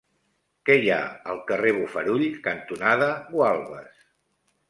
Què hi ha al carrer Bofarull cantonada Gualbes?